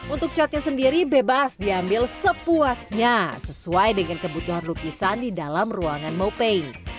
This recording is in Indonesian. untuk catnya sendiri bebas diambil sepuasnya sesuai dengan kebutuhan lukisan di dalam ruangan mopay